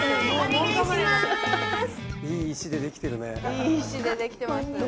いい石でできてるね。